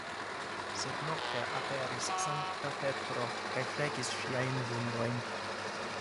Sed nokte aperis Sankta Petro kaj flegis ŝiajn vundojn.